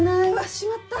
しまった！